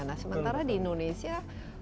nah sementara di indonesia